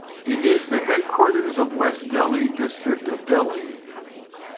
It is the headquarters of the West Delhi district of Delhi.